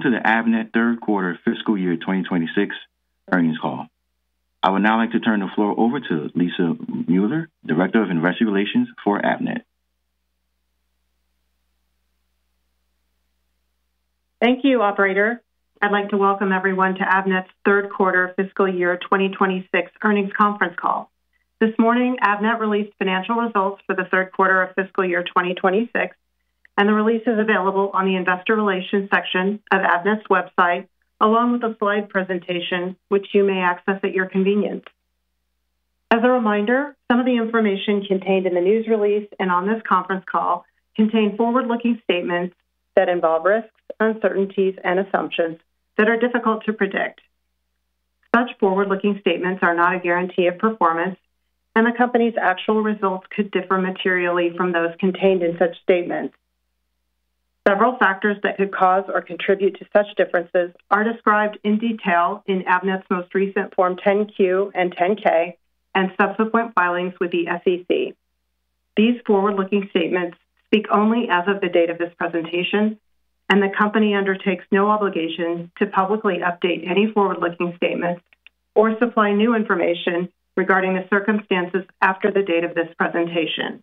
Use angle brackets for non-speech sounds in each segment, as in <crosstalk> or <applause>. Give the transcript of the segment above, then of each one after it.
Welcome to the Avnet Third Quarter Fiscal Year 2026 Earnings Call. I would now like to turn the floor over to Lisa Mueller, Director of Investor Relations for Avnet. Thank you, operator. I'd like to welcome everyone to Avnet's third quarter fiscal year 2026 earnings conference call. This morning, Avnet released financial results for the third quarter of fiscal year 2026, and the release is available on the investor relations section of Avnet's website, along with a slide presentation which you may access at your convenience. As a reminder, some of the information contained in the news release and on this conference call contain forward-looking statements that involve risks, uncertainties and assumptions that are difficult to predict. Such forward-looking statements are not a guarantee of performance, and the company's actual results could differ materially from those contained in such statements. Several factors that could cause or contribute to such differences are described in detail in Avnet's most recent Form 10-Q and 10-K and subsequent filings with the SEC. These forward-looking statements speak only as of the date of this presentation, and the company undertakes no obligation to publicly update any forward-looking statements or supply new information regarding the circumstances after the date of this presentation.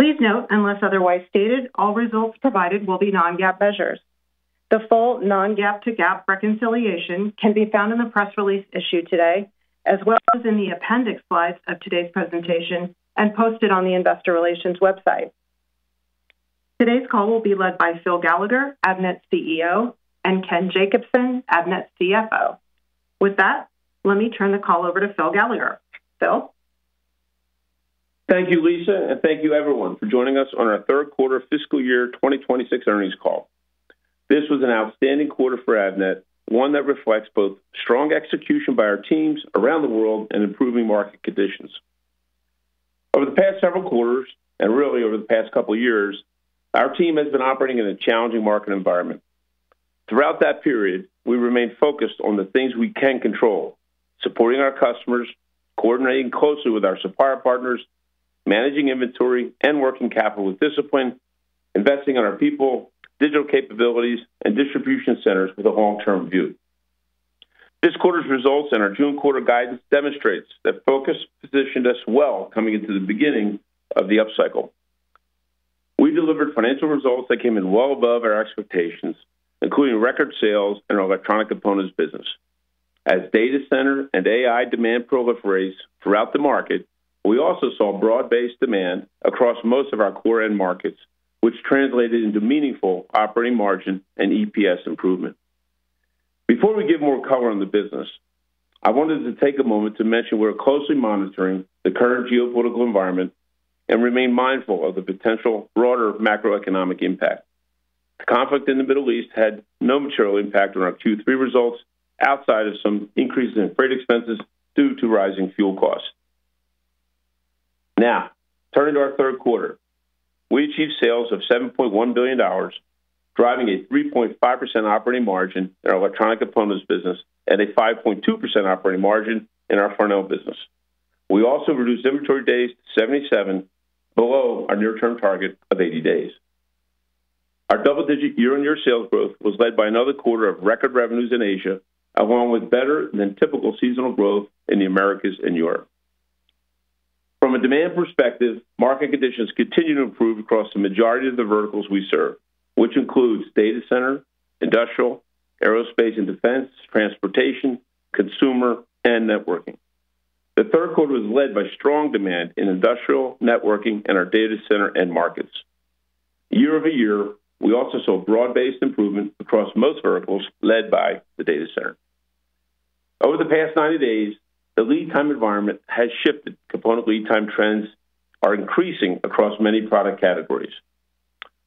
Please note, unless otherwise stated, all results provided will be non-GAAP measures. The full non-GAAP to GAAP reconciliation can be found in the press release issued today, as well as in the appendix slides of today's presentation and posted on the investor relations website. Today's call will be led by Phil Gallagher, Avnet's CEO, and Ken Jacobson, Avnet's CFO. With that, let me turn the call over to Phil Gallagher. Phil? Thank you, Lisa, and thank you everyone for joining us on our third quarter fiscal year 2026 earnings call. This was an outstanding quarter for Avnet, one that reflects both strong execution by our teams around the world and improving market conditions. Over the past several quarters, and really over the past couple years, our team has been operating in a challenging market environment. Throughout that period, we remained focused on the things we can control, supporting our customers, coordinating closely with our supplier partners, managing inventory and working capital with discipline, investing in our people, digital capabilities, and distribution centers with a long-term view. This quarter's results and our June quarter guidance demonstrates that focus positioned us well coming into the beginning of the upcycle. We delivered financial results that came in well above our expectations, including record sales in our Electronic Components business. As data center and AI demand proliferates throughout the market, we also saw broad-based demand across most of our core end markets, which translated into meaningful operating margin and EPS improvement. Before we give more color on the business, I wanted to take a moment to mention we're closely monitoring the current geopolitical environment and remain mindful of the potential broader macroeconomic impact. The conflict in the Middle East had no material impact on our Q3 results outside of some increases in freight expenses due to rising fuel costs. Now, turning to our third quarter. We achieved sales of $7.1 billion, driving a 3.5% operating margin in our Electronic Components business and a 5.2% operating margin in our Farnell business. We also reduced inventory days to 77, below our near-term target of 80 days. Our double-digit year-on-year sales growth was led by another quarter of record revenues in Asia, along with better than typical seasonal growth in the Americas and Europe. From a demand perspective, market conditions continue to improve across the majority of the verticals we serve, which includes data center, industrial, aerospace and defense, transportation, consumer, and networking. The third quarter was led by strong demand in industrial, networking, and our data center end markets. Year-over-year, we also saw broad-based improvement across most verticals, led by the data center. Over the past 90 days, the lead time environment has shifted. Component lead time trends are increasing across many product categories.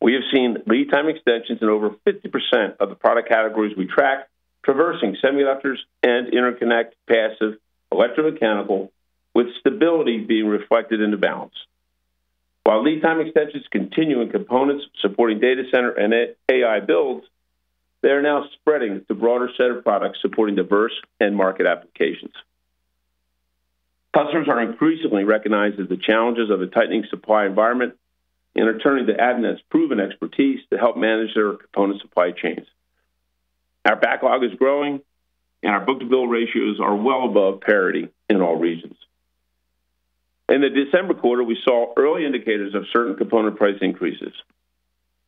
We have seen lead time extensions in over 50% of the product categories we track, traversing semiconductors and Interconnect, Passive, and Electromechanical, with stability being reflected in the balance. While lead time extensions continue in components supporting data center and AI builds, they are now spreading to a broader set of products supporting diverse end market applications. Customers are increasingly recognizing the challenges of a tightening supply environment and are turning to Avnet's proven expertise to help manage their component supply chains. Our backlog is growing, and our book-to-bill ratios are well above parity in all regions. In the December quarter, we saw early indicators of certain component price increases.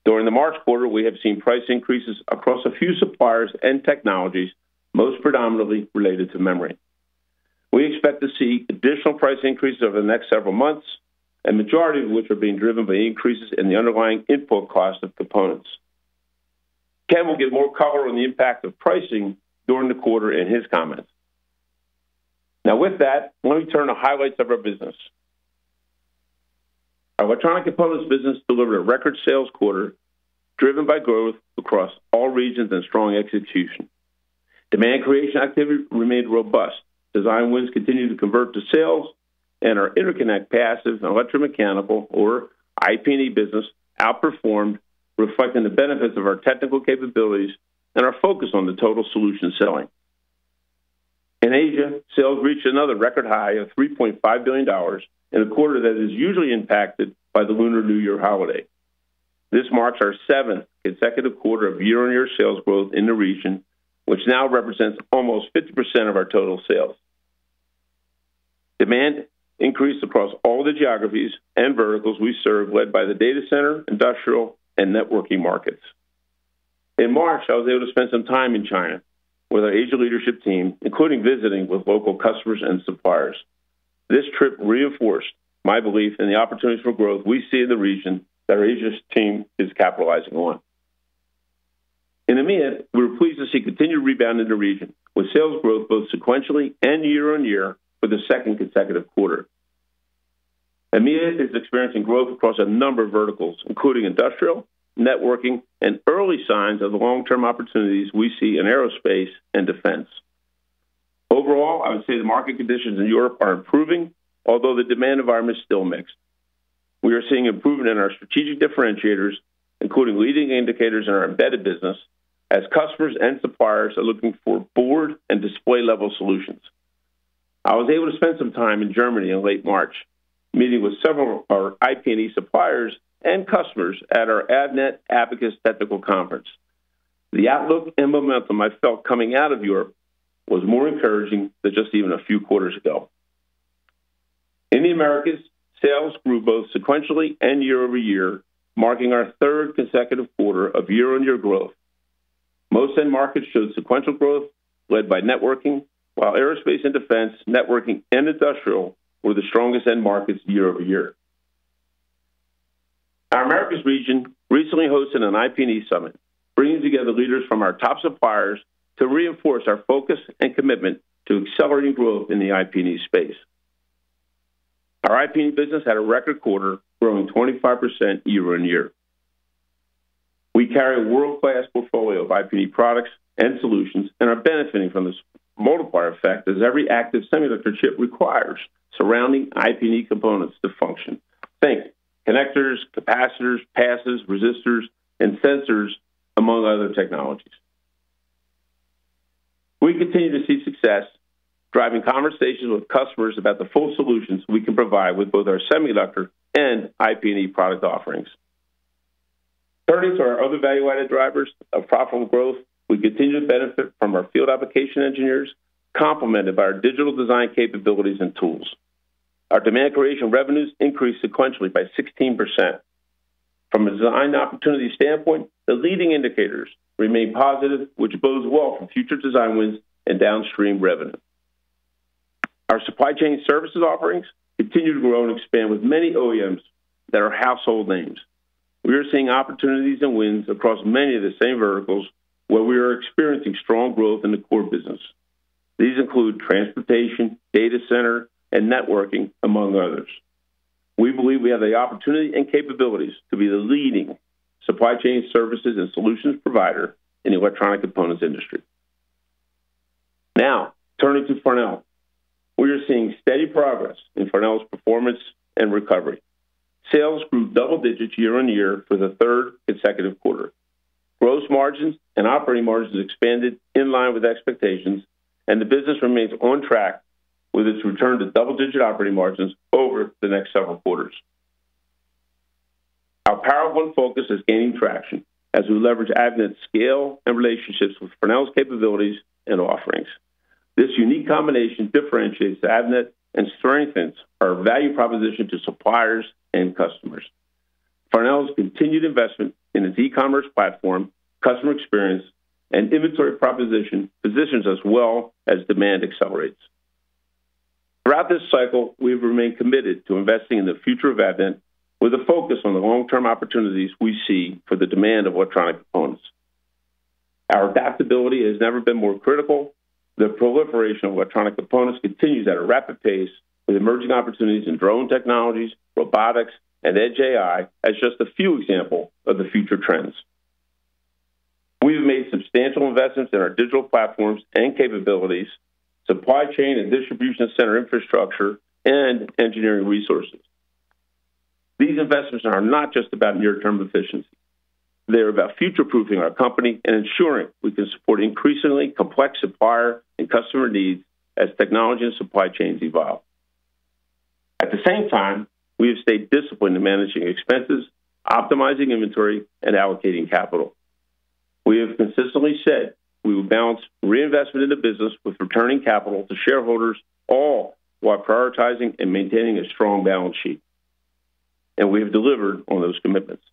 During the March quarter, we have seen price increases across a few suppliers and technologies, most predominantly related to memory. We expect to see additional price increases over the next several months, and majority of which are being driven by increases in the underlying input cost of components. Ken will give more color on the impact of pricing during the quarter in his comments. Now with that, let me turn to highlights of our business. Our Electronic Components business delivered a record sales quarter driven by growth across all regions and strong execution. Demand creation activity remained robust. Design wins continued to convert to sales and our Interconnect, Passive, and Electromechanical or IP&E business outperformed, reflecting the benefits of our technical capabilities and our focus on the total solution selling. In Asia, sales reached another record high of $3.5 billion in a quarter that is usually impacted by the Lunar New Year holiday. This marks our seventh consecutive quarter of year-over-year sales growth in the region, which now represents almost 50% of our total sales. Demand increased across all the geographies and verticals we serve, led by the data center, industrial, and networking markets. In March, I was able to spend some time in China with our Asia leadership team, including visiting with local customers and suppliers. This trip reinforced my belief in the opportunities for growth we see in the region that our Asia team is capitalizing on. In EMEA, we're pleased to see continued rebound in the region, with sales growth both sequentially and year-on-year for the second consecutive quarter. EMEA is experiencing growth across a number of verticals, including industrial, networking, and early signs of the long-term opportunities we see in aerospace and defense. Overall, I would say the market conditions in Europe are improving, although the demand environment is still mixed. We are seeing improvement in our strategic differentiators, including leading indicators in our embedded business, as customers and suppliers are looking for board and display-level solutions. I was able to spend some time in Germany in late March, meeting with several of our IP&E suppliers and customers at our Avnet Abacus Technical Conference. The outlook and momentum I felt coming out of Europe was more encouraging than just even a few quarters ago. In the Americas, sales grew both sequentially and year-over-year, marking our third consecutive quarter of year-on-year growth. Most end markets showed sequential growth led by networking, while aerospace and defense, networking, and industrial were the strongest end markets year-over-year. Our Americas region recently hosted an IP&E summit, bringing together leaders from our top suppliers to reinforce our focus and commitment to accelerating growth in the IP&E space. Our IP&E business had a record quarter, growing 25% year-on-year. We carry a world-class portfolio of IP&E products and solutions and are benefiting from this multiplier effect as every active semiconductor chip requires surrounding IP&E components to function. Think connectors, capacitors, passives, resistors, and sensors, among other technologies. We continue to see success driving conversations with customers about the full solutions we can provide with both our semiconductor and IP&E product offerings. Turning to our other value-added drivers of profitable growth, we continue to benefit from our field application engineers, complemented by our digital design capabilities and tools. Our demand creation revenues increased sequentially by 16%. From a design opportunity standpoint, the leading indicators remain positive, which bodes well for future design wins and downstream revenue. Our supply chain services offerings continue to grow and expand with many OEMs that are household names. We are seeing opportunities and wins across many of the same verticals where we are experiencing strong growth in the core business. These include transportation, data center, and networking, among others. We believe we have the opportunity and capabilities to be the leading supply chain services and solutions provider in the Electronic Components industry. Now, turning to Farnell. We are seeing steady progress in Farnell's performance and recovery. Sales grew double-digits year-over-year for the third consecutive quarter. Gross margins and operating margins expanded in line with expectations, and the business remains on track with its return to double-digit operating margins over the next several quarters. Our Power of One focus is gaining traction as we leverage Avnet's scale and relationships with Farnell's capabilities and offerings. This unique combination differentiates Avnet and strengthens our value proposition to suppliers and customers. Farnell's continued investment in its e-commerce platform, customer experience, and inventory proposition positions us well as demand accelerates. Throughout this cycle, we've remained committed to investing in the future of Avnet with a focus on the long-term opportunities we see for the demand of Electronic Components. Our adaptability has never been more critical. The proliferation of Electronic Components continues at a rapid pace with emerging opportunities in drone technologies, robotics, and edge AI as just a few examples of the future trends. We have made substantial investments in our digital platforms and capabilities, supply chain and distribution center infrastructure, and engineering resources. These investments are not just about near-term efficiency. They're about future-proofing our company and ensuring we can support increasingly complex supplier and customer needs as technology and supply chains evolve. At the same time, we have stayed disciplined in managing expenses, optimizing inventory, and allocating capital. We have consistently said we will balance reinvestment in the business with returning capital to shareholders, all while prioritizing and maintaining a strong balance sheet. We have delivered on those commitments.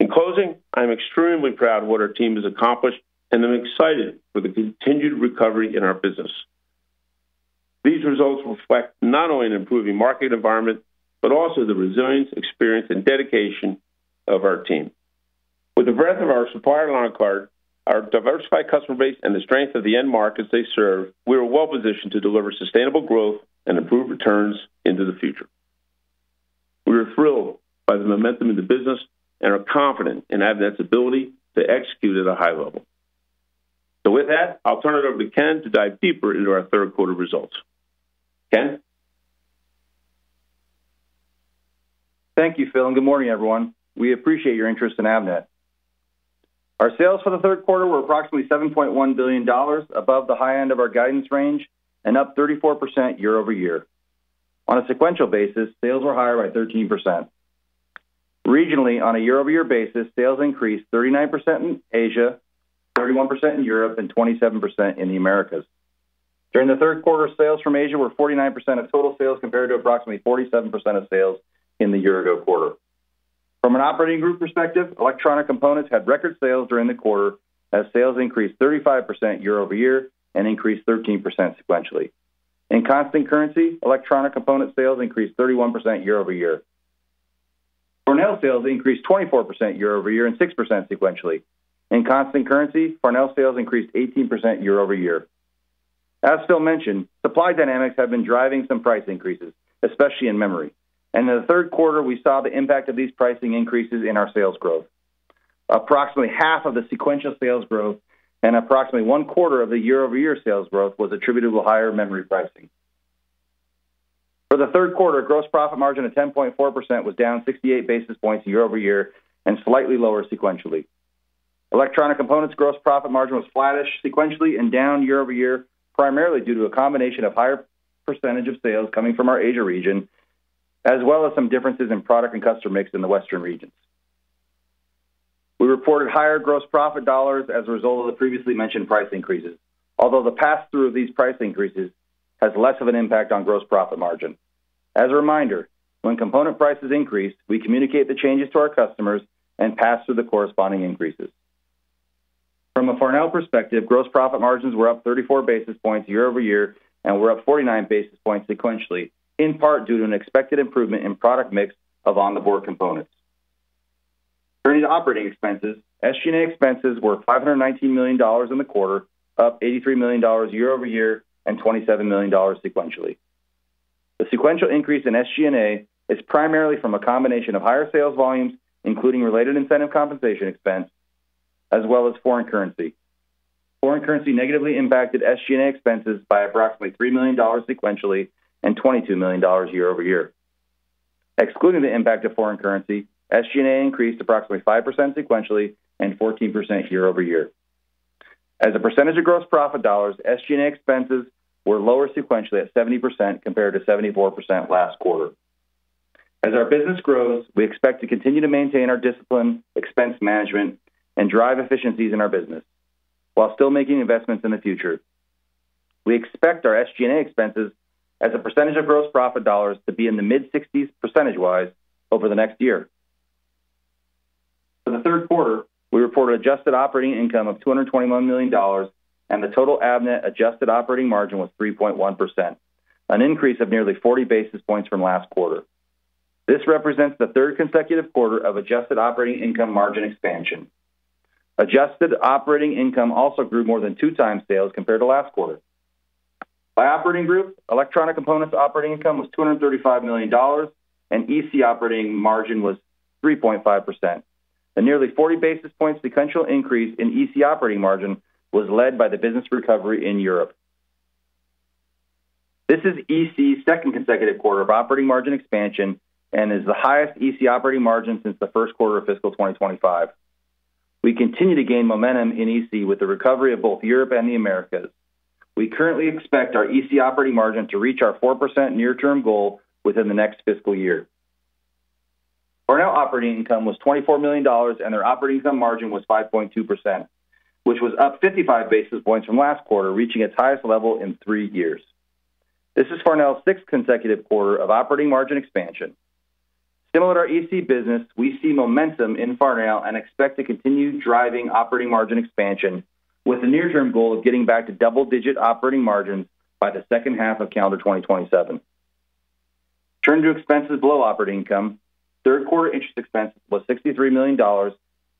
In closing, I'm extremely proud of what our team has accomplished. I'm excited for the continued recovery in our business. These results reflect not only an improving market environment, also the resilience, experience, and dedication of our team. With the breadth of our supplier partner card, our diversified customer base, the strength of the end markets they serve, we are well-positioned to deliver sustainable growth and improved returns into the future. We are thrilled by the momentum in the business and are confident in Avnet's ability to execute at a high level. With that, I'll turn it over to Ken to dive deeper into our third quarter results. Ken? Thank you, Phil, and good morning, everyone. We appreciate your interest in Avnet. Our sales for the third quarter were approximately $7.1 billion, above the high end of our guidance range and up 34% year-over-year. On a sequential basis, sales were higher by 13%. Regionally, on a year-over-year basis, sales increased 39% in Asia, 31% in Europe, and 27% in the Americas. During the third quarter, sales from Asia were 49% of total sales, compared to approximately 47% of sales in the year ago quarter. From an operating group perspective, Electronic Components had record sales during the quarter as sales increased 35% year-over-year and increased 13% sequentially. In constant currency, Electronic Component sales increased 31% year-over-year. Farnell sales increased 24% year-over-year and 6% sequentially. In constant currency, Farnell sales increased 18% year-over-year. As Phil mentioned, supply dynamics have been driving some price increases, especially in memory. In the third quarter, we saw the impact of these pricing increases in our sales growth. Approximately half of the sequential sales growth and approximately one quarter of the year-over-year sales growth was attributable to higher memory pricing. For the third quarter, gross profit margin at 10.4% was down 68 basis points year-over-year and slightly lower sequentially. Electronic Components gross profit margin was flattish sequentially and down year-over-year, primarily due to a combination of higher percentage of sales coming from our Asia region, as well as some differences in product and customer mix in the Western regions. We reported higher gross profit dollars as a result of the previously mentioned price increases, although the pass-through of these price increases has less of an impact on gross profit margin. As a reminder, when component prices increase, we communicate the changes to our customers and pass through the corresponding increases. From a Farnell perspective, gross profit margins were up 34 basis points year-over-year and were up 49 basis points sequentially, in part due to an expected improvement in product mix of on-the-board components. Turning to operating expenses, SG&A expenses were $519 million in the quarter, up $83 million year-over-year and $27 million sequentially. The sequential increase in SG&A is primarily from a combination of higher sales volumes, including related incentive compensation expense, as well as foreign currency. Foreign currency negatively impacted SG&A expenses by approximately $3 million sequentially and $22 million year-over-year. Excluding the impact of foreign currency, SG&A increased approximately 5% sequentially and 14% year-over-year. As a percentage of gross profit dollars, SG&A expenses were lower sequentially at 70% compared to 74% last quarter. As our business grows, we expect to continue to maintain our discipline, expense management, and drive efficiencies in our business while still making investments in the future. We expect our SG&A expenses as a percentage of gross profit dollars to be in the mid-60s percentage-wise over the next year. For the third quarter, we reported adjusted operating income of $221 million, and the total Avnet adjusted operating margin was 3.1%, an increase of nearly 40 basis points from last quarter. This represents the third consecutive quarter of adjusted operating income margin expansion. Adjusted operating income also grew more than 2x sales compared to last quarter. By operating group, Electronic Components operating income was $235 million, and EC operating margin was 3.5%. The nearly 40 basis points sequential increase in EC operating margin was led by the business recovery in Europe. This is EC's second consecutive quarter of operating margin expansion and is the highest EC operating margin since the first quarter of fiscal 2025. We continue to gain momentum in EC with the recovery of both Europe and the Americas. We currently expect our EC operating margin to reach our 4% near-term goal within the next fiscal year. Farnell operating income was $24 million, and their operating income margin was 5.2%, which was up 55 basis points from last quarter, reaching its highest level in three years. This is Farnell's sixth consecutive quarter of operating margin expansion. Similar to our EC business, we see momentum in Farnell and expect to continue driving operating margin expansion with the near-term goal of getting back to double-digit operating margins by the second half of calendar 2027. Turning to expenses below operating income, third quarter interest expense was $63 million,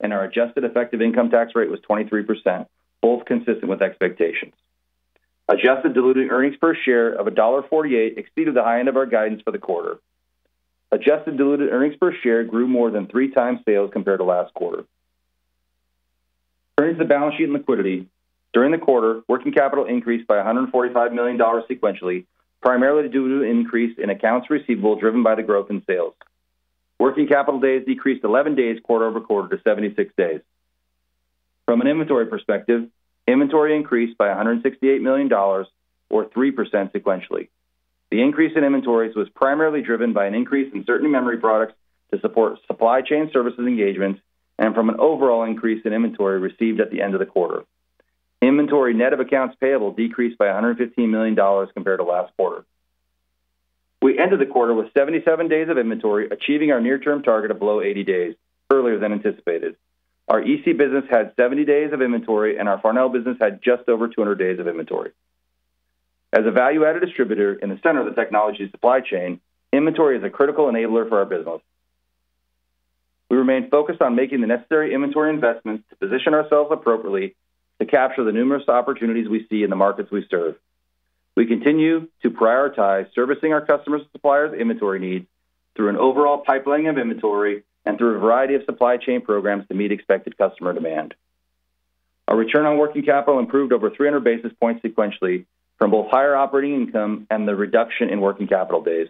and our adjusted effective income tax rate was 23%, both consistent with expectations. Adjusted diluted earnings per share of $1.48 exceeded the high end of our guidance for the quarter. Adjusted diluted earnings per share grew more than 3x sales compared to last quarter. Turning to the balance sheet and liquidity. During the quarter, working capital increased by $145 million sequentially, primarily due to an increase in accounts receivable driven by the growth in sales. Working capital days decreased 11 days quarter-over-quarter to 76 days. From an inventory perspective, inventory increased by $168 million or 3% sequentially. The increase in inventories was primarily driven by an increase in certain memory products to support supply chain services engagements and from an overall increase in inventory received at the end of the quarter. Inventory net of accounts payable decreased by $115 million compared to last quarter. We ended the quarter with 77 days of inventory, achieving our near-term target of below 80 days, earlier than anticipated. Our EC business had 70 days of inventory, and our Farnell business had just over 200 days of inventory. As a value-added distributor in the center of the technology supply chain, inventory is a critical enabler for our business. We remain focused on making the necessary inventory investments to position ourselves appropriately to capture the numerous opportunities we see in the markets we serve. We continue to prioritize servicing our customers' suppliers' inventory needs through an overall pipelining of inventory and through a variety of supply chain programs to meet expected customer demand. Our return on working capital improved over 300 basis points sequentially from both higher operating income and the reduction in working capital days.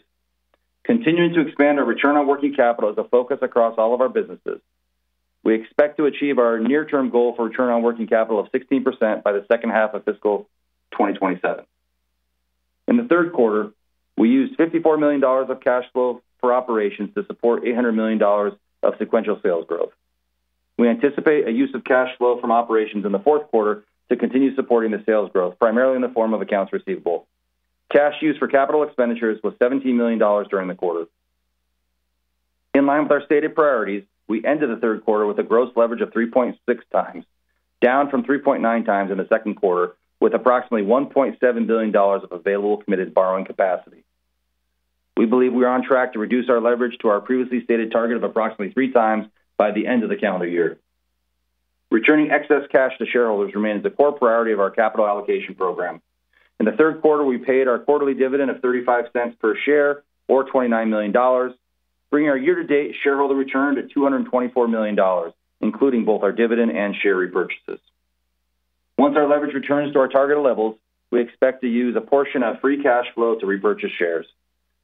Continuing to expand our return on working capital is a focus across all of our businesses. We expect to achieve our near-term goal for return on working capital of 16% by the second half of fiscal 2027. In the third quarter, we used $54 million of cash flow for operations to support $800 million of sequential sales growth. We anticipate a use of cash flow from operations in the fourth quarter to continue supporting the sales growth, primarily in the form of accounts receivable. Cash used for capital expenditures was $17 million during the quarter. In line with our stated priorities, we ended the third quarter with a gross leverage of 3.6x, down from 3.9x in the second quarter, with approximately $1.7 billion of available committed borrowing capacity. We believe we are on track to reduce our leverage to our previously stated target of approximately 3x by the end of the calendar year. Returning excess cash to shareholders remains a core priority of our capital allocation program. In the third quarter, we paid our quarterly dividend of $0.35 per share or $29 million, bringing our year-to-date shareholder return to $224 million, including both our dividend and share repurchases. Once our leverage returns to our targeted levels, we expect to use a portion of free cash flow to repurchase shares.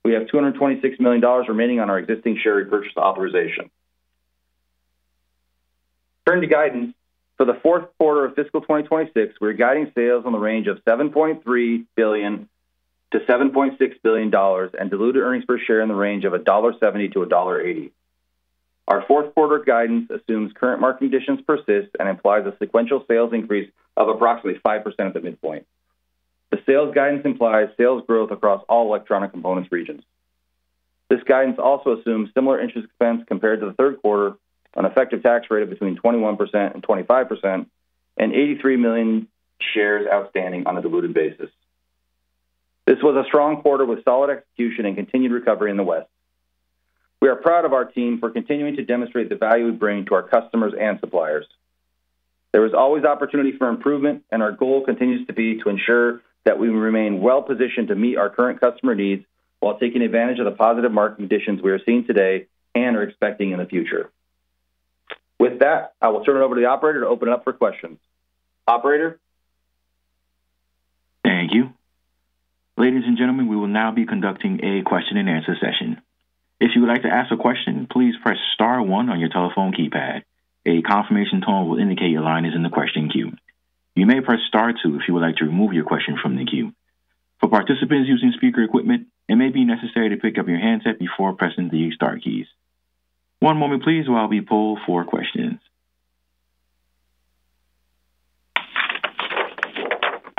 We have $226 million remaining on our existing share repurchase authorization. Turning to guidance. For the fourth quarter of fiscal 2026, we're guiding sales on the range of $7.3 billion-$7.6 billion and diluted earnings per share in the range of $1.70-$1.80. Our fourth quarter guidance assumes current market conditions persist and implies a sequential sales increase of approximately 5% at the midpoint. The sales guidance implies sales growth across all Electronic Components regions. This guidance also assumes similar interest expense compared to the third quarter on effective tax rate of between 21% and 25% and 83 million shares outstanding on a diluted basis. This was a strong quarter with solid execution and continued recovery in the West. We are proud of our team for continuing to demonstrate the value we bring to our customers and suppliers. There is always opportunity for improvement, and our goal continues to be to ensure that we remain well-positioned to meet our current customer needs while taking advantage of the positive market conditions we are seeing today and are expecting in the future. With that, I will turn it over to the operator to open it up for questions. Operator? Thank you. Ladies and gentlemen, we will now be conducting a question-and-answer session.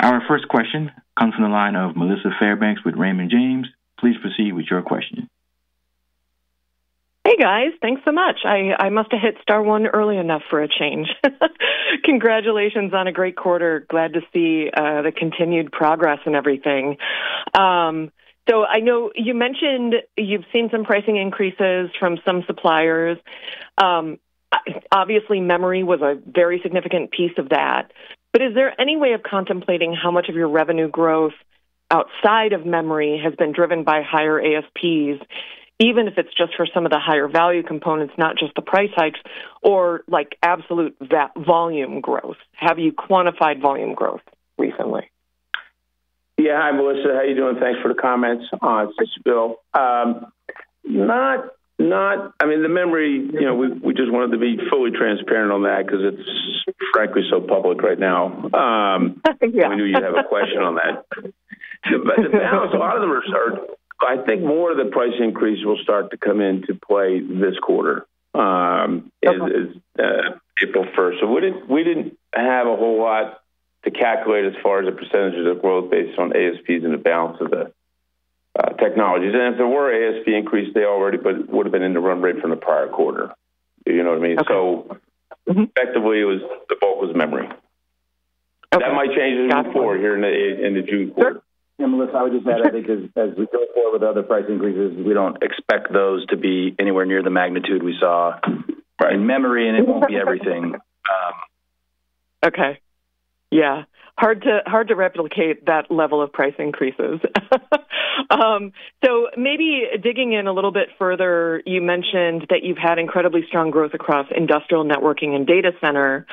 Our first question comes from the line of Melissa Fairbanks with Raymond James. Please proceed with your question. Hey, guys. Thanks so much. I must have hit star one early enough for a change. Congratulations on a great quarter. Glad to see the continued progress and everything. I know you mentioned you've seen some pricing increases from some suppliers. Obviously, memory was a very significant piece of that. Is there any way of contemplating how much of your revenue growth outside of memory has been driven by higher ASPs, even if it's just for some of the higher value components, not just the price hikes or like absolute volume growth? Have you quantified volume growth recently? Yeah. Hi, Melissa. How are you doing? Thanks for the comments. It's Phil. I mean, the memory, you know, we just wanted to be fully transparent on that because it's frankly so public right now. I think, yeah. We knew you'd have a question on that. The balance, a lot of them are I think more of the price increase will start to come into play this quarter, as April 1st. We didn't have a whole lot to calculate as far as the percentage of the growth based on ASPs and the balance of the technologies. If there were ASP increase, they already would have been in the run rate from the prior quarter. Do you know what I mean? Okay. Effectively, the bulk was memory. Okay. Got it. That might change in the quarter, here in the June quarter. Melissa, I would just add, I think as we go forward with other price increases, we don't expect those to be anywhere near the magnitude we saw in memory, and it won't be everything. Okay. Yeah. Hard to replicate that level of price increases. Maybe digging in a little bit further, you mentioned that you've had incredibly strong growth across industrial networking and data center.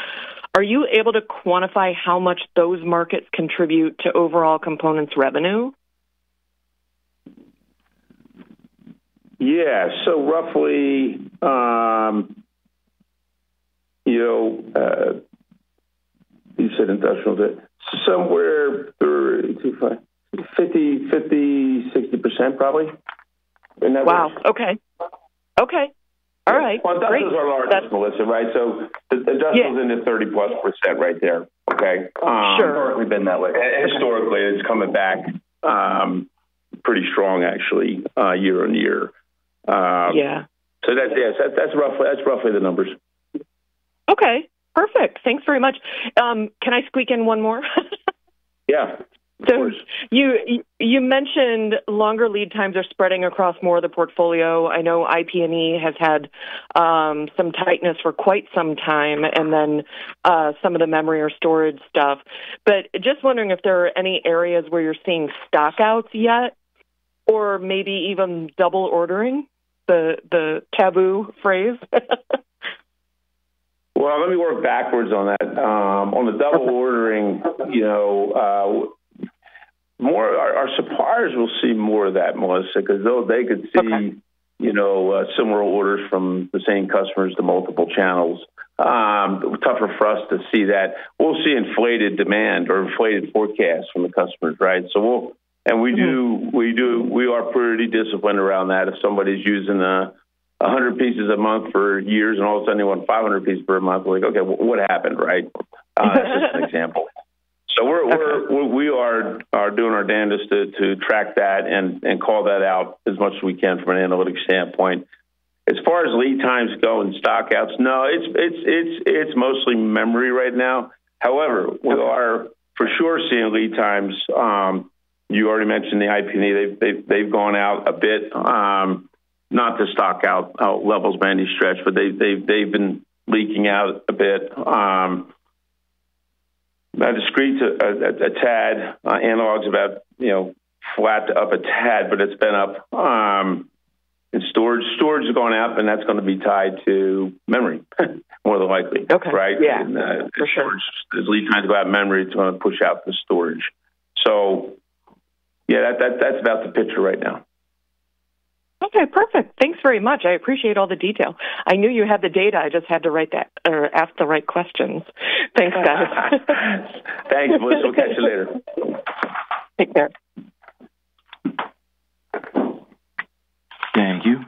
Are you able to quantify how much those markets contribute to overall components revenue? Yeah. Roughly, you know, you said industrial, but somewhere 50%, 60% probably in that range. Wow. Okay. All right. Great. Well, industrial's our largest, Melissa, right? It does in the +30% right there. Okay? Sure. Historically been that way. Historically, it's coming back, pretty strong actually, year-on-year. So that's, yes, that's roughly the numbers. Okay. Perfect. Thanks very much. Can I squeak in one more? Yeah. Of course. You mentioned longer lead times are spreading across more of the portfolio. I know IP&E has had some tightness for quite some time and then some of the memory or storage stuff. Just wondering if there are any areas where you're seeing stock outs yet, or maybe even double ordering, the taboo phrase? Well, let me work backwards on that. On the double ordering, you know, Our suppliers will see more of that, Melissa, 'cause though they could see. You know, similar orders from the same customers to multiple channels, tougher for us to see that. We'll see inflated demand or inflated forecasts from the customers, right? We are pretty disciplined around that. If somebody's using 100 pieces a month for years and all of a sudden they want 500 pieces per month, we're like, "Okay, what happened," right? That's just an example. We are doing our damnedest to track that and call that out as much as we can from an analytics standpoint. As far as lead times go and stockouts, no, it's mostly memory right now. However, we are for sure seeing lead times, you already mentioned the IP&E. They've gone out a bit, not to stockout levels by any stretch, but they've been leaking out a bit. Now discrete's a tad. Analog's about, you know, flat to up a tad, but it's been up. Storage has gone up, and that's gonna be tied to memory more than likely. Okay. Right? Yeah. For sure. As lead times go out in memory, it's gonna push out the storage. Yeah, that's about the picture right now. Okay, perfect. Thanks very much. I appreciate all the detail. I knew you had the data. I just had to write that or ask the right questions. Thanks, guys. Thank you, Melissa. Catch you later. Take care. Thank you.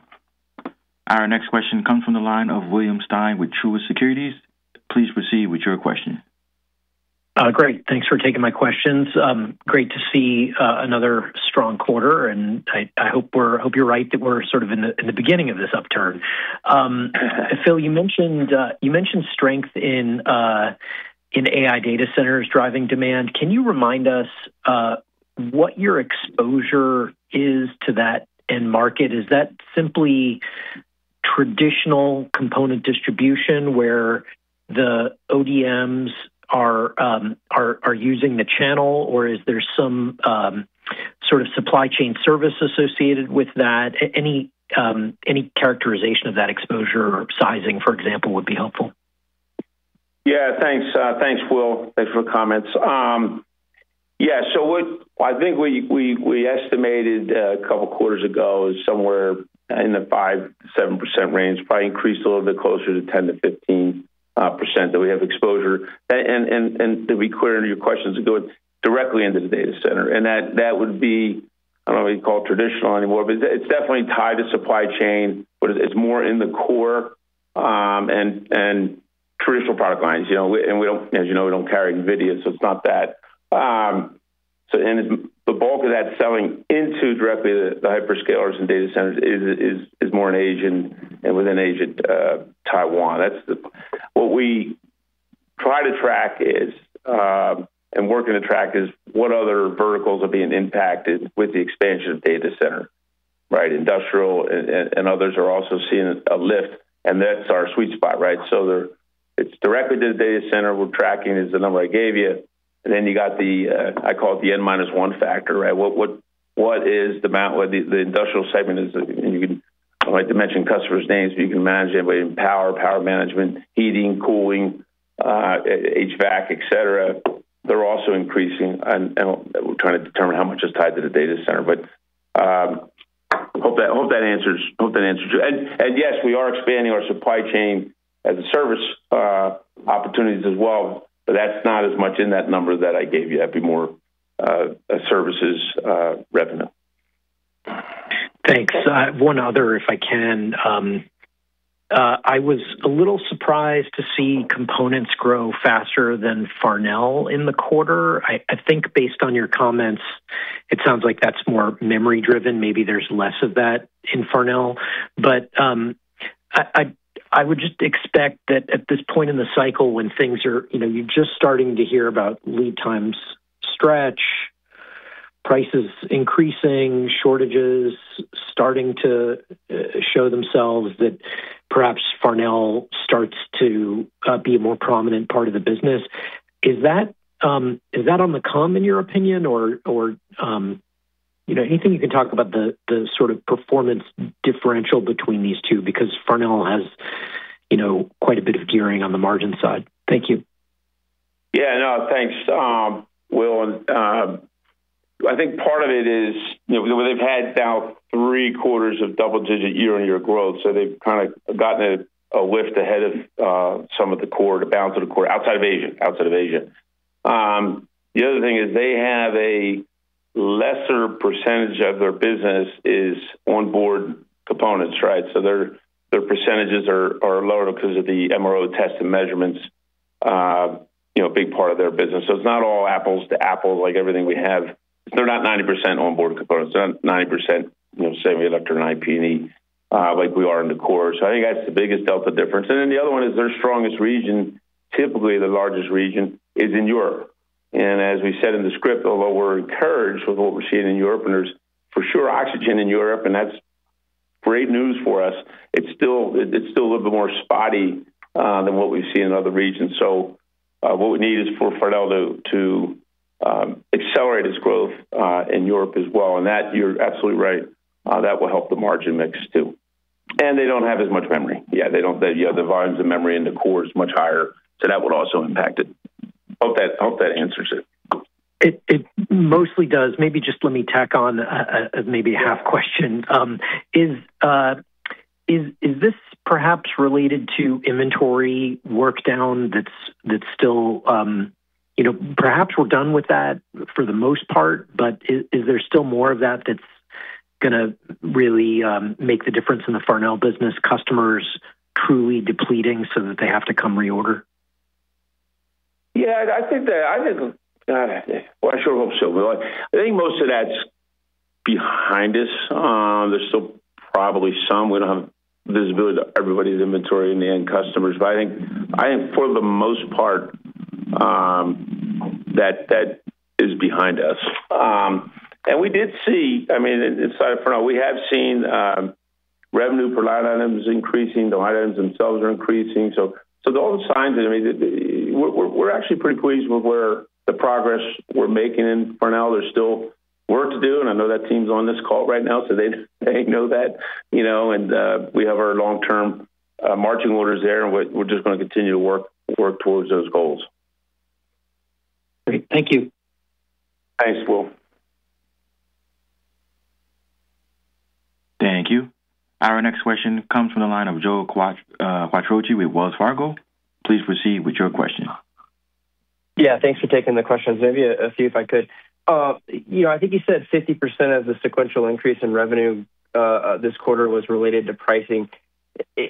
Our next question comes from the line of William Stein with Truist Securities. Please proceed with your question. Great. Thanks for taking my questions. Great to see another strong quarter, and I hope you're right that we're sort of in the beginning of this upturn. Phil, you mentioned strength in AI data centers driving demand. Can you remind us what your exposure is to that end market? Is that simply traditional component distribution where the ODMs are using the channel, or is there some sort of supply chain service associated with that? Any characterization of that exposure or sizing, for example, would be helpful. Thanks, thanks, Will. Thanks for the comments. I think we estimated couple of quarters ago somewhere in the 5%-7% range, probably increased a little bit closer to 10%-15% that we have exposure. To be clear to your questions, it goes directly into the data center, and that would be, I don't know what you'd call traditional anymore, but it's definitely tied to supply chain, but it's more in the core and traditional product lines, you know. We don't, as you know, we don't carry NVIDIA, it's not that. The bulk of that selling into directly the hyperscalers and data centers is more in Asia and within Asia, Taiwan. What we try to track is, and working to track is what other verticals are being impacted with the expansion of data center, right? Industrial and others are also seeing a lift, and that's our sweet spot, right? It's directly to the data center. We're tracking is the number I gave you. Then you got the, I call it the N -1 factor, right? What is the amount, the industrial segment is, you know, I don't like to mention customers' names, but you can manage anybody in power management, heating, cooling, HVAC, et cetera. They're also increasing. We're trying to determine how much is tied to the data center. Hope that answers your. Yes, we are expanding our supply chain as a service opportunities as well, but that's not as much in that number that I gave you. That'd be more a services revenue. Thanks. I have one other, if I can. I was a little surprised to see components grow faster than Farnell in the quarter. I think based on your comments, it sounds like that's more memory-driven. Maybe there's less of that in Farnell. I would just expect that at this point in the cycle when things are, you know, you're just starting to hear about lead times stretch, prices increasing, shortages starting to show themselves, that perhaps Farnell starts to be a more prominent part of the business. Is that on the come in your opinion or, you know, anything you can talk about the sort of performance differential between these two? Because Farnell has, you know, quite a bit of gearing on the margin side. Thank you. No, thanks, Will. I think part of it is, you know, they've had now three quarters of double-digit year-on-year growth, so they've kind of gotten a lift ahead of some of the core, the balance of the core outside of Asia. The other thing is they have a lesser percentage of their business is onboard components, right? Their percentages are lower because of the MRO test and measurements, you know, a big part of their business. It's not all apples to apples like everything we have. They're not 90% onboard components. They're not 90%, you know, semiconductor and IP&E, like we are in the core. I think that's the biggest delta difference. Then the other one is their strongest region, typically the largest region, is in Europe. As we said in the script, although we're encouraged with what we're seeing in Europe, and there's for sure oxygen in Europe. Great news for us. It's still a little bit more spotty than what we see in other regions. What we need is for Farnell to accelerate its growth in Europe as well. That you're absolutely right, that will help the margin mix too. They don't have as much memory. The volumes of memory in the Core is much higher, that would also impact it. Hope that answers it. It mostly does. Maybe just let me tack on a maybe half question. Is this perhaps related to inventory work down that's still, perhaps we're done with that for the most part, but is there still more of that that's gonna really make the difference in the Farnell business customers truly depleting so that they have to come reorder? Yeah, I think that, I think. Well, I sure hope so. I think most of that's behind us. There's still probably some, we don't have visibility to everybody's inventory and the end customers. I think, I think for the most part, that is behind us. We did see, I mean, inside of Farnell, we have seen revenue per line items increasing. The line items themselves are increasing. Those signs, I mean, we're actually pretty pleased with where the progress we're making in Farnell. There's still work to do, and I know that team's on this call right now, so they know that, you know, and we have our long-term marching orders there, and we're just gonna continue to work towards those goals. Great. Thank you. Thanks, Will. Thank you. Our next question comes from the line of Joe Quatrochi with Wells Fargo. Please proceed with your question. Yeah, thanks for taking the questions. Maybe a few if I could. You know, I think you said 50% of the sequential increase in revenue, this quarter was related to pricing.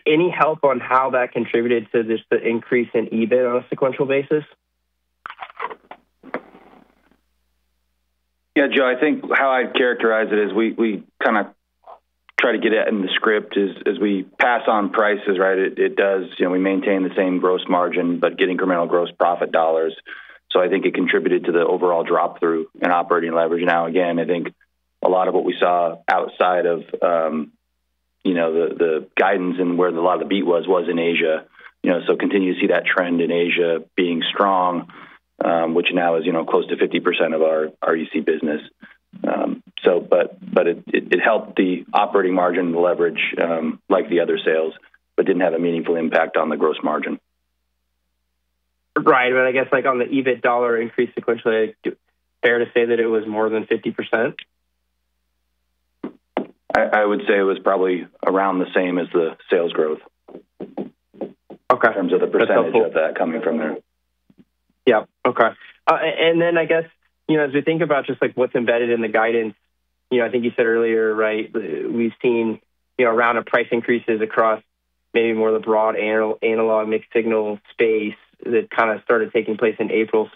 Any help on how that contributed to this, the increase in EBIT on a sequential basis? Yeah, Joe, I think how I'd characterize it is we kinda try to get it in the script as we pass on prices, right? It does, you know, we maintain the same gross margin, but get incremental gross profit dollars. I think it contributed to the overall drop through in operating leverage. Now, again, I think a lot of what we saw outside of, you know, the guidance and where a lot of the beat was in Asia. You know, continue to see that trend in Asia being strong, which now is, you know, close to 50% of our EC business. But it helped the operating margin leverage, like the other sales, but didn't have a meaningful impact on the gross margin. Right. I guess, like, on the EBIT dollar increase sequentially, fair to say that it was more than 50%? I would say it was probably around the same as the sales growth. In terms of the percentage of that coming from there. Yeah. Okay. I guess, you know, as we think about just, like, what's embedded in the guidance, you know, I think you said earlier, right, we've seen, you know, a round of price increases across maybe more of the broad analog mixed signal space that kinda started taking place in April.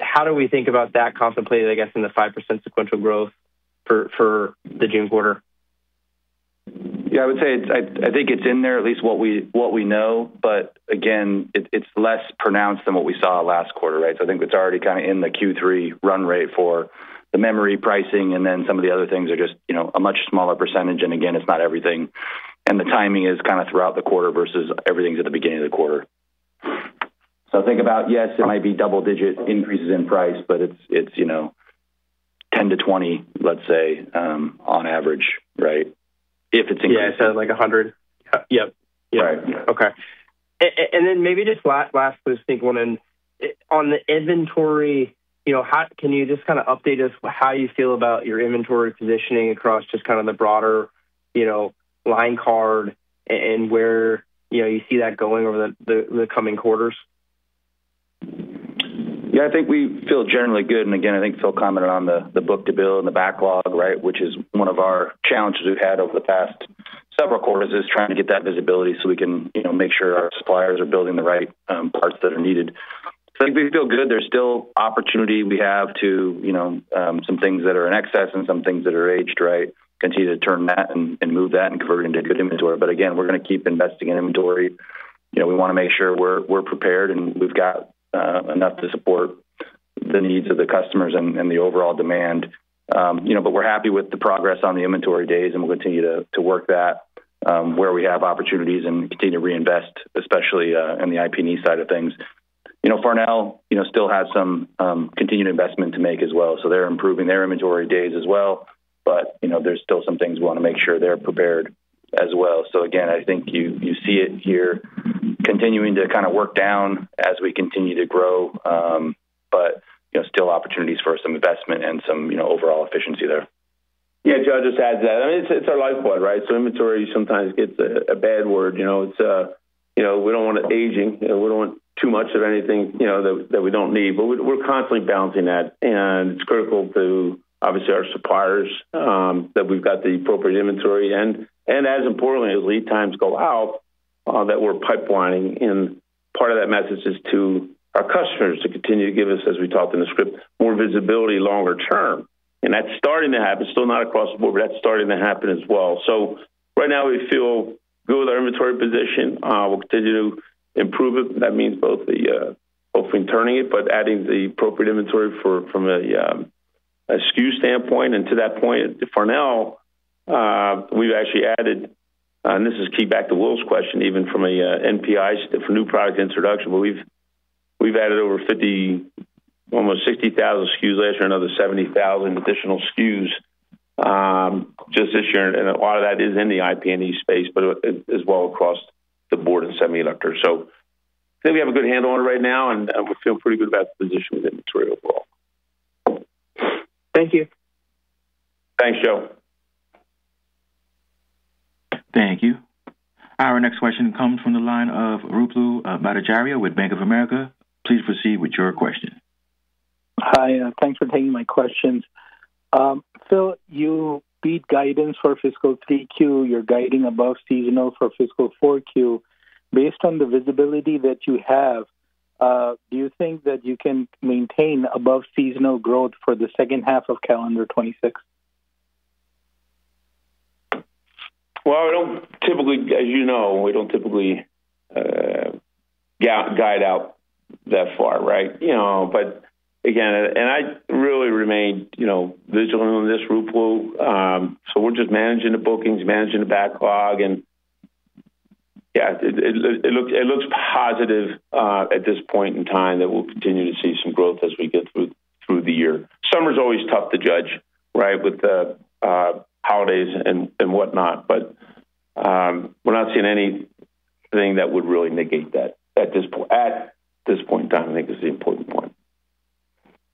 How do we think about that contemplated, I guess, in the 5% sequential growth for the June quarter? Yeah, I would say I think it's in there at least what we know. Again, it's less pronounced than what we saw last quarter, right? I think it's already kind of in the Q3 run rate for the memory pricing, and then some of the other things are just, you know, a much smaller percentage. Again, it's not everything. The timing is kind of throughout the quarter versus everything's at the beginning of the quarter. Think about, yes, it might be double-digit increases in price, but it's, you know, 10%-20%, let's say, on average, right? Yeah. <crosstalk> Like $100? Yep. Okay. Maybe just last loose thing. On the inventory, you know, can you just kinda update us how you feel about your inventory positioning across just kind of the broader, you know, line card and where, you know, you see that going over the coming quarters? I think we feel generally good. Again, I think Phil commented on the book-to-bill and the backlog, right? Which is one of our challenges we've had over the past several quarters is trying to get that visibility so we can, you know, make sure our suppliers are building the right parts that are needed. I think we feel good. There's still opportunity we have to, you know, some things that are in excess and some things that are aged, right? Continue to turn that and move that and convert it into good inventory. Again, we're gonna keep investing in inventory. You know, we wanna make sure we're prepared, and we've got enough to support the needs of the customers and the overall demand. You know, we're happy with the progress on the inventory days, and we'll continue to work that where we have opportunities and continue to reinvest, especially in the IP&E side of things. You know, Farnell, you know, still have some continued investment to make as well, so they're improving their inventory days as well. You know, there's still some things we wanna make sure they're prepared as well. Again, I think you see it here continuing to kinda work down as we continue to grow, you know, still opportunities for some investment and some, you know, overall efficiency there. Yeah, Joe, I'll just add to that. I mean, it's our lifeblood, right? Inventory sometimes gets a bad word, you know? It's, you know, we don't want it aging, and we don't want too much of anything, you know, that we don't need. We're constantly balancing that, and it's critical to, obviously, our suppliers, that we've got the appropriate inventory. As importantly, as lead times go out, that we're pipelining, and part of that message is to our customers to continue to give us, as we talked in the script, more visibility longer term. That's starting to happen. Still not across the board, but that's starting to happen as well. Right now we feel Inventory position, we'll continue to improve it. That means both the, hopefully turning it, but adding the appropriate inventory from a SKU standpoint. To that point, for now, we've actually added, and this is key back to Will's question even from a NPIs, for new product introduction, but we've added over 50,000, almost 60,000 SKUs last year, another 70,000 additional SKUs, just this year. A lot of that is in the IP&E space, but it is well across the board in semiconductors. I think we have a good handle on it right now, and we feel pretty good about the position with inventory overall. Thank you. Thanks, Joe. Thank you. Our next question comes from the line of Ruplu Bhattacharya with Bank of America. Please proceed with your question. Hi, thanks for taking my questions. Phil, you beat guidance for fiscal 3Q. You're guiding above seasonal for fiscal 4Q. Based on the visibility that you have, do you think that you can maintain above-seasonal growth for the second half of calendar 2026? As you know, we don't typically guide out that far, right? You know, I really remain, you know, vigilant on this, Ruplu. We're just managing the bookings, managing the backlog, it looks positive at this point in time that we'll continue to see some growth as we get through the year. Summer's always tough to judge, right, with the holidays and whatnot. We're not seeing anything that would really negate that at this point. At this point in time, I think is the important point.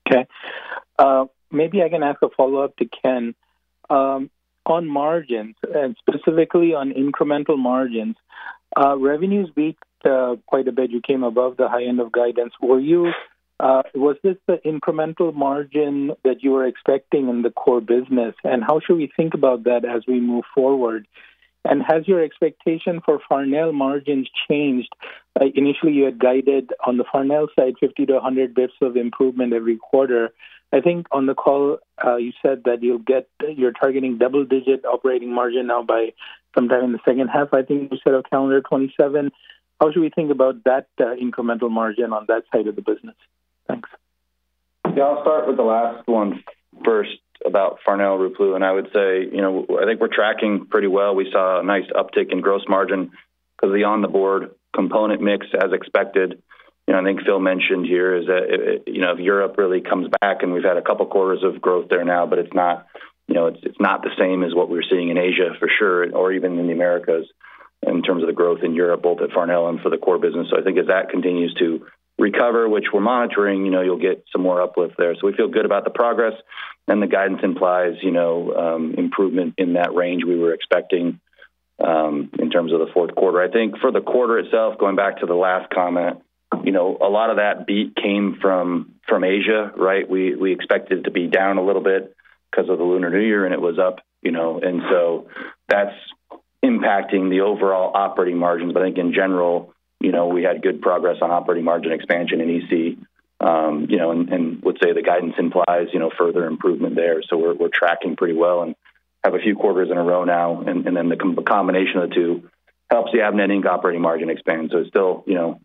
Okay. Maybe I can ask a follow-up to Ken. On margins, and specifically on incremental margins, revenues beat quite a bit. You came above the high end of guidance. Was this the incremental margin that you were expecting in the core business? How should we think about that as we move forward? Has your expectation for Farnell margins changed? Like, initially, you had guided on the Farnell side, 50 to 100 basis points of improvement every quarter. I think on the call, you said that you're targeting double-digit operating margin now by sometime in the second half, I think you said, of calendar 2027. How should we think about that incremental margin on that side of the business? Thanks. Yeah, I'll start with the last 1 first about Farnell, Ruplu. I would say, you know, I think we're tracking pretty well. We saw a nice uptick in gross margin because the on-the-board component mix as expected. You know, I think Phil mentioned here is that, you know, if Europe really comes back, we've had couple of quarters of growth there now, it's not, you know, it's not the same as what we're seeing in Asia for sure or even in the Americas in terms of the growth in Europe, both at Farnell and for the core business. I think as that continues to recover, which we're monitoring, you know, you'll get some more uplift there. We feel good about the progress, the guidance implies, you know, improvement in that range we were expecting, in terms of the fourth quarter. I think for the quarter itself, going back to the last comment, you know, a lot of that beat came from Asia, right? We expected to be down a little bit because of the Lunar New Year, it was up, you know. That's impacting the overall operating margins. I think in general, you know, we had good progress on operating margin expansion in EC, you know, and let's say the guidance implies, you know, further improvement there. We're tracking pretty well and have a few quarters in a row now, and then the combination of the two helps the net income operating margin expand. It's still, you know,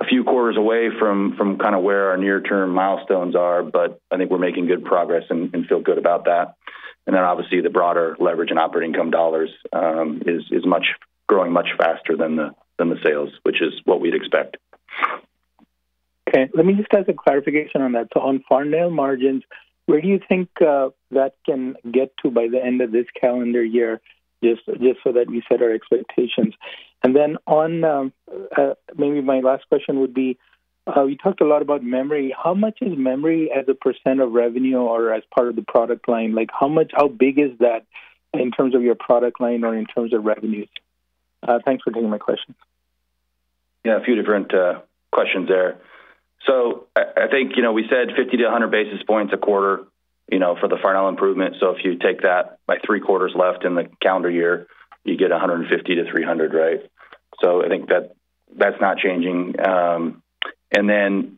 a few quarters away from kind of where our near-term milestones are, I think we're making good progress and feel good about that. Obviously the broader leverage in operating income dollars is growing much faster than the sales, which is what we'd expect. Okay. Let me just ask a clarification on that. On Farnell margins, where do you think that can get to by the end of this calendar year? Just so that we set our expectations. On, maybe my last question would be, you talked a lot about memory. How much is memory as a percent of revenue or as part of the product line? Like how much, how big is that in terms of your product line or in terms of revenues? Thanks for taking my questions. Yeah, a few different questions there. You know, we said 50 to 100 basis points a quarter, you know, for the Farnell improvement. If you take that by three quarters left in the calendar year, you get 150 to 300, right? That's not changing.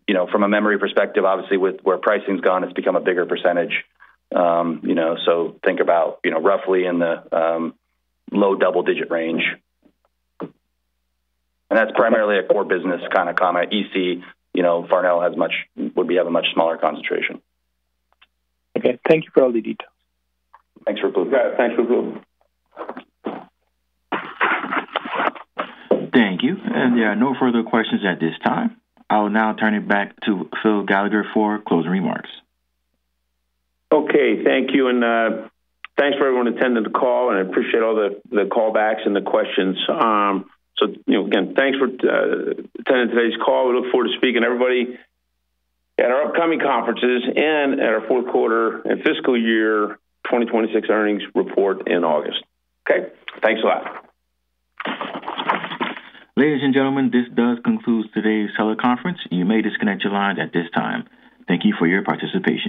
You know, from a memory perspective, obviously, with where pricing's gone, it's become a bigger percentage. You know, think about, you know, roughly in the low double-digit range. That's primarily a core business kind of comment. EC, you know, Farnell would have a much smaller concentration. Okay. Thank you for all the details. Thanks, Ruplu. Yeah, thanks, Ruplu. Thank you. There are no further questions at this time. I will now turn it back to Phil Gallagher for closing remarks. Okay. Thank you. Thanks for everyone attending the call, and I appreciate all the callbacks and the questions. You know, again, thanks for attending today's call. We look forward to speaking to everybody at our upcoming conferences and at our fourth quarter and fiscal year 2026 earnings report in August. Okay. Thanks a lot. Ladies and gentlemen, this does conclude today's teleconference. You may disconnect your lines at this time. Thank you for your participation.